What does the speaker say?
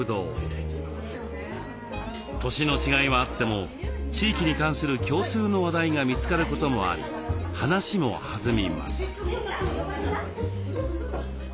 年の違いはあっても地域に関する共通の話題が見つかることもあり話も弾みます。